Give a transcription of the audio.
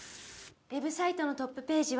ウェブサイトのトップページは。